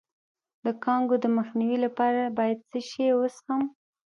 د کانګو د مخنیوي لپاره باید څه شی وڅښم؟